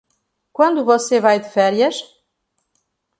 Quando você vai de férias?